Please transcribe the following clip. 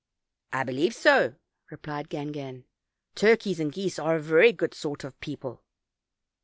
"I believe so," replied Gangan, "turkeys and geese are a very good sort of people."